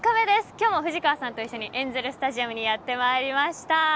今日も藤川さんと一緒にエンゼルスタジアムにやってまいりました。